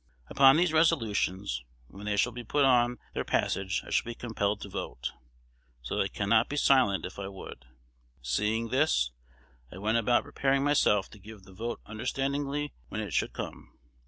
Upon these resolutions, when they shall be put on their passage, I shall be compelled to vote; so that I cannot be silent if I would. Seeing this, I went about preparing myself to give the vote understandingly when it should come.